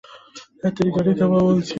ধ্যাত্তেরি, গাড়ি থামাও বলছি!